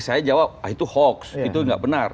saya jawab itu hoax itu nggak benar